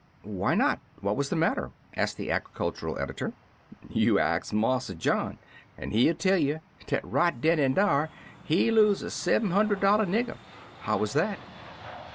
"Why not? What was the matter?" asked the agricultural editor. "You ax Marse John, an' he'll tell yer dat right den an' dar he lose er sev'm hun derd dollar nigger." "How was that?"